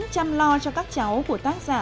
chăm lo cho các cháu của tác giả